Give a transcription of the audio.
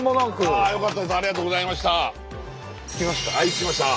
はい着きました。